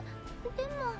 でも。